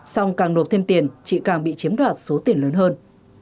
xong càng nộp thêm tiền chị càng bị chiếm đoạt số tiền lớn hơn